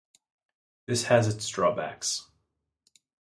This has its drawbacks.